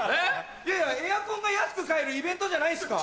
いやエアコンが安く買えるイベントじゃないんですか？